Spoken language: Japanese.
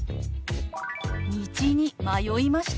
「道に迷いました」。